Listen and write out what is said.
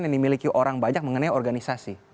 yang dimiliki orang banyak mengenai organisasi